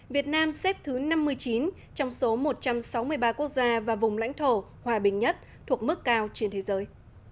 việt nam xếp thứ năm mươi chín trong số một trăm sáu mươi ba quốc gia và vùng lãnh thổ hòa bình nhất thuộc mức cao trên thế giới